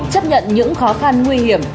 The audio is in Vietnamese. chấp nhận những khó khăn nguy hiểm